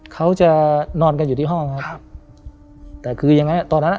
เขาจะนอนกันอยู่ที่ห้องครับครับแต่คือยังไงตอนนั้นอ่ะ